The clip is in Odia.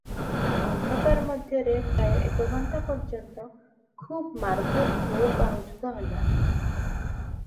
ଅନ୍ଧକାର ମଧ୍ୟରେ ପ୍ରାୟ ଏକ ଘଣ୍ଟା ପର୍ଯ୍ୟନ୍ତ ଖୁବ ମାରଧର ଘୋର ବାହୁଯୁଦ୍ଧ ହେଲା ।